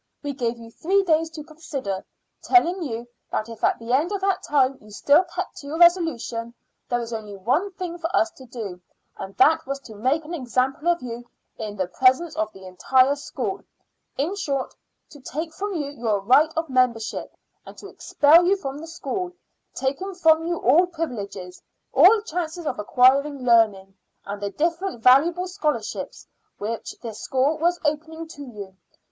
We gave you three days to consider, telling you that if at the end of that time you still kept to your resolution there was only one thing for us to do, and that was to make an example of you in the presence of the entire school in short, to take from you your right of membership, and to expel you from the school, taking from you all privileges, all chances of acquiring learning and the different valuable scholarships which this school was opening to you.